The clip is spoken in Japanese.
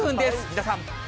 皆さん。